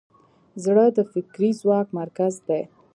زړه د فکري ځواک مرکز دی.